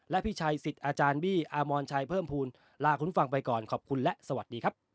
และพี่ชัยสิทธิ์อาจารย์บี้อมรชัยเพิ่มภูมิลาคุณฟังไปก่อนขอบคุณและสวัสดีครับ